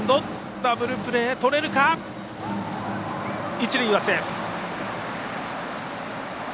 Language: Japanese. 一塁はセーフ。